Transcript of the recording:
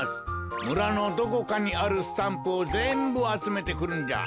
むらのどこかにあるスタンプをぜんぶあつめてくるんじゃ。